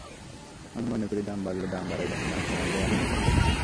আমি মনে করি, দাম বাড়লে দাম বাড়াইবেন, দাম কমলে আপনি কমাবেন না।